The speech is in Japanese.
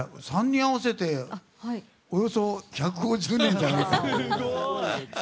３人合わせておよそ１５０年。